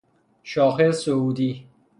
شاخه صعودی